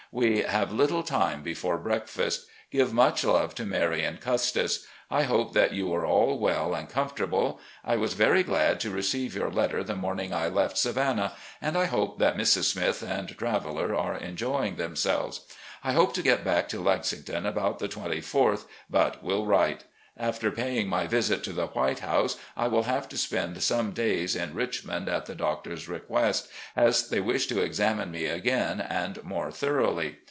We have little time after breakfast. Give much love to Maiy and Custis. I hope that you are all well and comfortable. 404 RECOLLECTIONS OP GENERAL LEE I was very glad to receive your letter the morning I left Savannah, and I hope that 'Mrs. Smith' and Traveller are enjoying themselves. I hope to get back to Lexing ton about the 24th, but will write. After paying my visit to the 'White House' I will have to spend some days in Richmond at the doctors' request, as they wish to ex amine me again and more thoroughly.